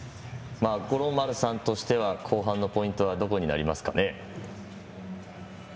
五郎丸さんとしては後半のポイントはどこになりますかね？